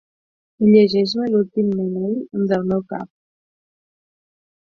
Llegeix-me l'últim email del meu cap.